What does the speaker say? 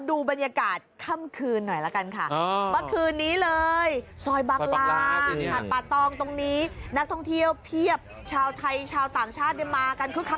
ดูบรรยากาศค่ำคืนหน่อยละกันค่ะ